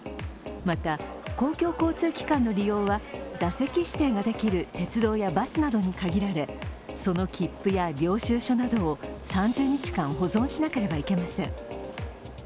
また、公共交通機関の利用は座席指定ができる鉄道やバスなどに限られ、その切符や領収証などを３０日間保存しなければいけません。